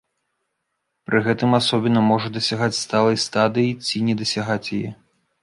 Пры гэтым асобіна можа дасягаць сталай стадыі ці не дасягаць яе.